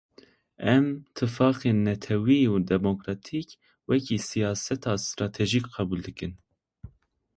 Em tifaqên netewî û demokratîk wekî siyaseta stratejîk qebûl dikin.